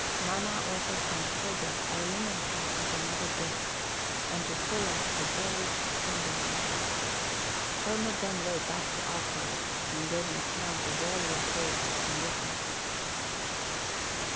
Nanna also sent Frigga a linen cassock and other gifts, and to Fulla a gold finger ring. Hermod then rode back to Asgard, and gave an account of all he had heard and witnessed.